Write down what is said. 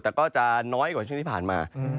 แต่ก็จะน้อยกว่าช่วงที่ผ่านมา